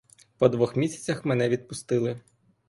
По двох місяцях мене випустили.